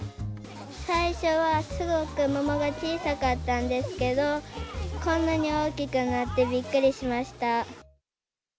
最初はすごく桃が小さかったんですけど、こんなに大きくなってびっくりしました。